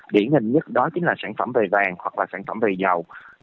điển hình nhất đó chính là sản phẩm về vàng hoặc là sản phẩm về dầu